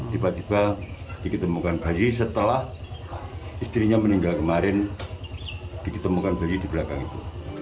tiba tiba diketemukan bayi setelah istrinya meninggal kemarin diketemukan bayi di belakang itu